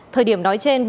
thời điểm nói trên